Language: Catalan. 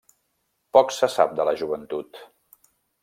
Poc se sap de la joventut.